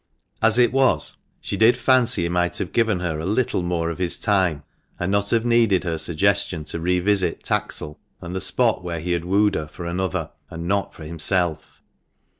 As it was, she did fancy he might have given her a little more of his time, and not have needed her suggestion to re visit Taxal and the spot where he had wooed her for another, and not for himself.